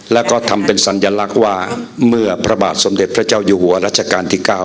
แล้วก็ทำเป็นสัญลักษณ์ว่าเมื่อพระบาทสมเด็จพระเจ้าอยู่หัวรัชกาลที่๙